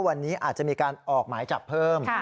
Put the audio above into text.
วันนี้อาจจะมีการออกหมายจับเพิ่ม